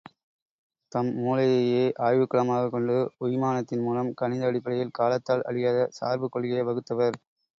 தம் மூளையையே ஆய்வுக்களமாகக் கொண்டு உய்மானத்தின் மூலம் கணித அடிப்படையில் காலத்தால் அழியாத சார்புக் கொள்கையை வகுத்தவர்.